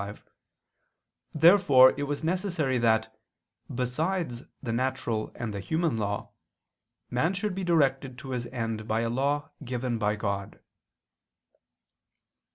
5), therefore it was necessary that, besides the natural and the human law, man should be directed to his end by a law given by God.